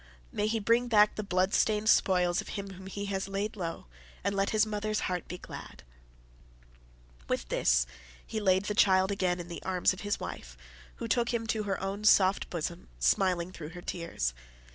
May he bring back the blood stained spoils of him whom he has laid low, and let his mother's heart be glad." With this he laid the child again in the arms of his wife, who took him to her own soft bosom, smiling through her tears.